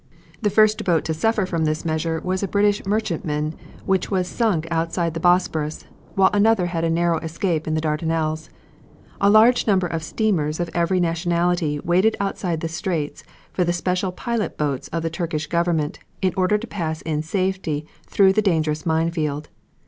The first boat to suffer from this measure was a British merchantman which was sunk outside the Bosporus, while another had a narrow escape in the Dardanelles. A large number of steamers of every nationality waited outside the straits for the special pilot boats of the Turkish Government, in order to pass in safety through the dangerous mine field.